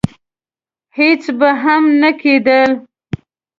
هېڅ به هم نه کېدل.